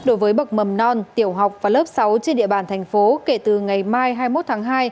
đối với bậc mầm non tiểu học và lớp sáu trên địa bàn thành phố kể từ ngày mai hai mươi một tháng hai